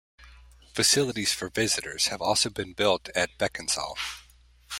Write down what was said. Facilities for visitors have also been built at Becconsall.